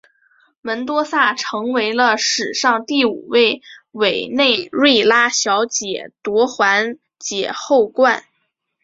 门多萨成为了史上第五位委内瑞拉小姐夺环姐后冠。